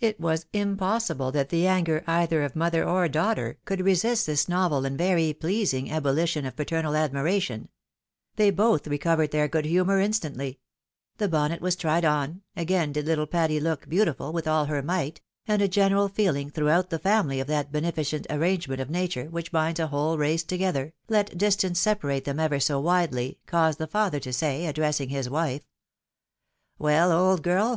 It was impossible that the anger, either of mother or daugh ter, could resist this novel and very pleasing ebulKtion of paternal admiration ; they both recovered their good humour instantly ; the bonnet was again tried on, again did httle Patty "look beautiful with all her might," and a general feehng throughout the family of that beneficent arrangement of nature which binds a whole race together, let distance separate them ever so widely, caused the father to say, addressing his wife, " Well, old girl